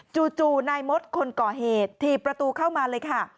จู่นายมดคนก่อเหตุถี่ประตูเข้ามาเลยค่ะ